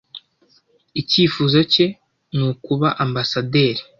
Icyifuzo cye ni ukuba ambasaderi.